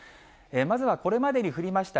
まずはこれまでに降りました